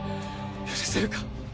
許せるか。